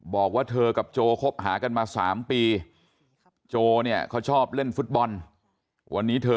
บอกว่าเธอกับโจคบหากันมา๓ปีโจเนี่ยเขาชอบเล่นฟุตบอลวันนี้เธอ